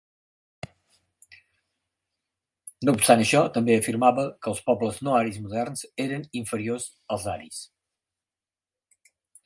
No obstant això, també afirmava que els pobles no aris moderns eren inferiors als aris.